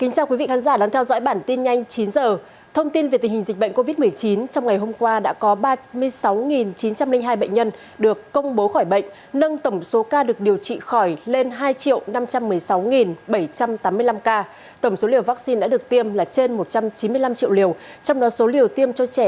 cảm ơn các bạn đã theo dõi